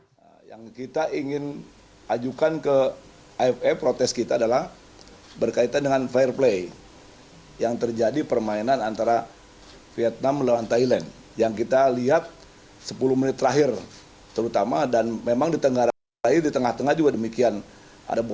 pertandingan terakhir grup a piala aff u sembilan belas dan timnas thailand u sembilan belas terkait dugaan pelanggaran fair play dalam pertandingan terakhir grup a piala aff u sembilan belas dan timnas thailand u sembilan belas pada minggu malam